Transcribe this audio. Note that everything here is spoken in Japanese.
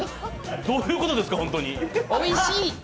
どういうことですか、本当に？